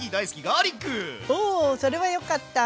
おそれはよかった。